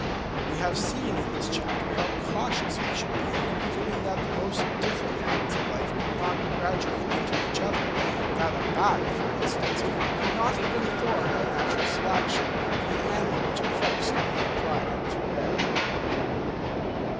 We have seen in this chapter how cautious we should be in concluding that the most different habits of life could not graduate into each other; that a bat, for instance, could not have been formed by natural selection from an animal which at first only glided through the air.